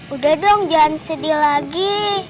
udah dong jangan sedih lagi